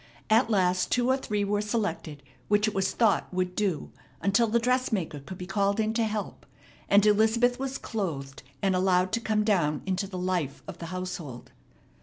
At last two or three were selected which it was thought would "do" until the dressmaker could be called in to help, and Elizabeth was clothed and allowed to come down into the life of the household.